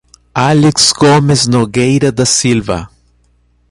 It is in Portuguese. Alex Gomes Nogueira da Silva